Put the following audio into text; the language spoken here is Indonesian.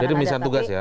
jadi pemisahan tugas ya